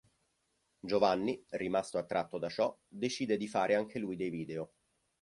Giovanni, rimasto attratto da ciò, decide di fare anche lui dei video.